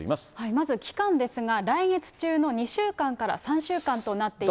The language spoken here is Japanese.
まず期間ですが、来月中の２週間から３週間となっています。